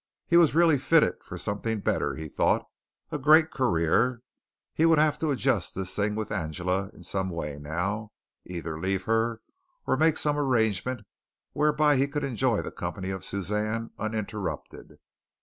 He was really fitted for something better, he thought a great career. He would have to adjust this thing with Angela in some way now, either leave her, or make some arrangement whereby he could enjoy the company of Suzanne uninterrupted.